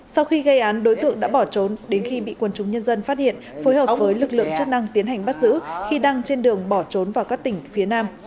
sau khi gây án đối tượng đã bỏ trốn đến khi bị quân chúng nhân dân phát hiện phối hợp với lực lượng chức năng tiến hành bắt giữ khi đang trên đường bỏ trốn vào các tỉnh phía nam